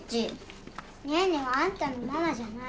ねーねはあんたのママじゃない。